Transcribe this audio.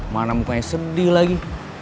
mana mukanya sedih lagi